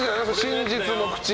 真実の口。